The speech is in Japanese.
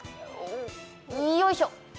よいしょ。